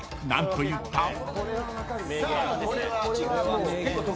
何と言った？